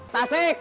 ada kang cecep